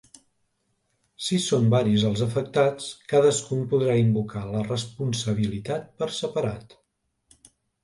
Si són varis els afectats, cadascun podrà invocar la responsabilitat per separat.